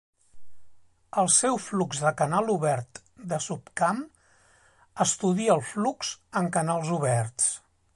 El seu flux de canal obert de subcamp estudia el flux en canals oberts.